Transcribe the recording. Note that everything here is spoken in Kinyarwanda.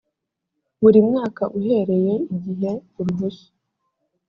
buri mwaka uhereye igihe uruhushya